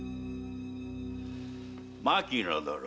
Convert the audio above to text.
牧野殿。